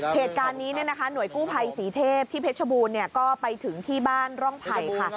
เหตุการณ์นี้หน่วยกู้ภัยศรีเทพที่เพชรบูรณ์ก็ไปถึงที่บ้านร่องไผ่ค่ะ